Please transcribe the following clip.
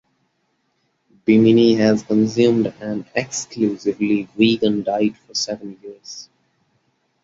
Bimini has consumed an exclusively vegan diet for seven years.